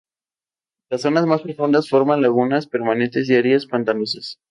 Existen en cada provincia y municipio un Buró Provincial y un Buró Municipal.